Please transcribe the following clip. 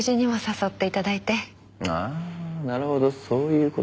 ああなるほどそういう事か。